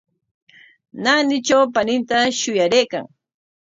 Naanitraw paninta shuyaraykan.